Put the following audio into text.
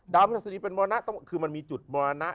พระหัสดีเป็นมรณะคือมันมีจุดมรณะ